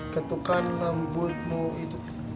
ketukan lembutmu itu